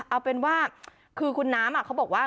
เอาเป็นว่าคือคุณน้ำเขาบอกว่า